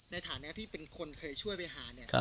ในฐานเนี้ยที่เป็นคนเคยช่วยไปหาเนี้ยครับ